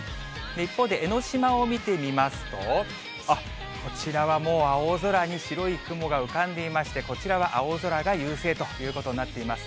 一方で江の島を見てみますと、こちらはもう青空に白い雲が浮かんでいまして、こちらは青空が優勢ということになっています。